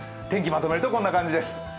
天気をまとめるとこんな感じです